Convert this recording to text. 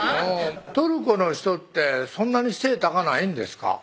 トルコの人ってそんなに背高ないんですか？